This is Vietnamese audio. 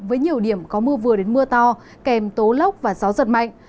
với nhiều điểm có mưa vừa đến mưa to kèm tố lốc và gió giật mạnh